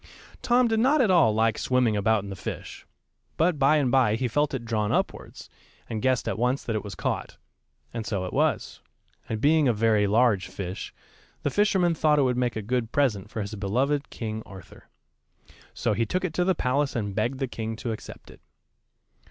Tom did not at all like swimming about in the fish, but by and by he felt it drawn upwards, and guessed at once that it was caught. And so it was; and being a very large fish, the fisherman thought it would make a good present for his beloved King Arthur. So he took it to the palace and begged the king to accept it.